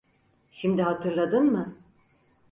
Şimdi hatırladın mı?